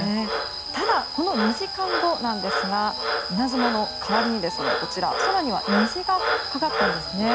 ただ、この２時間後なんですが稲妻の代わりにこちら、空には虹がかかったんですね。